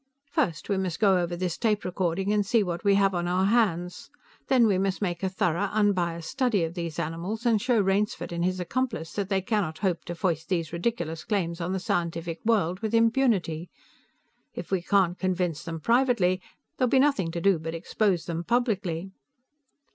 "First we must go over this tape recording and see what we have on our hands. Then we must make a thorough, unbiased study of these animals, and show Rainsford and his accomplice that they cannot hope to foist these ridiculous claims on the scientific world with impunity. If we can't convince them privately, there'll be nothing to do but expose them publicly."